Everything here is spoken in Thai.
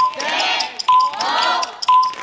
ไปเลย